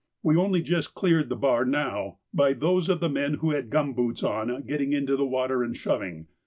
We only just cleared the bar now by those of the men who had gum boots on getting into the water and shoving.